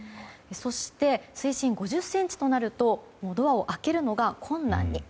そして、水深５０ｃｍとなるとドアを開けるのが困難に。